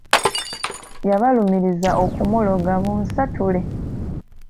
Yabalumiriza okumuloga bonsatule.